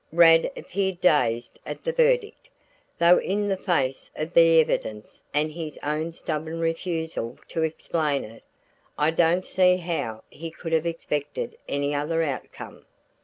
Rad appeared dazed at the verdict; though in the face of the evidence and his own stubborn refusal to explain it, I don't see how he could have expected any other outcome.